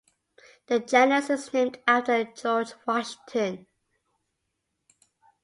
The genus is named after George Washington.